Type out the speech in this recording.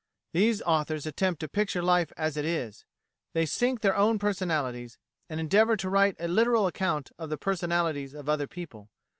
These authors attempt to picture life as it is; they sink their own personalities, and endeavour to write a literal account of the "personalities" of other people.